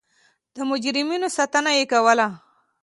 د مجرمینو ساتنه یې کوله.